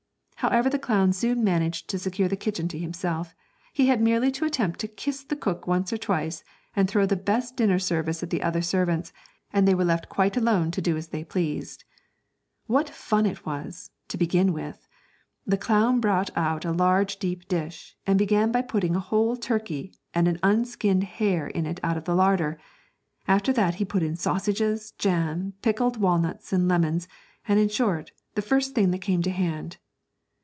However, the clown soon managed to secure the kitchen to himself; he had merely to attempt to kiss the cook once or twice and throw the best dinner service at the other servants, and they were left quite alone to do as they pleased. What fun it was, to begin with! The clown brought out a large deep dish, and began by putting a whole turkey and an unskinned hare in it out of the larder; after that he put in sausages, jam, pickled walnuts, and lemons, and, in short, the first thing that came to hand.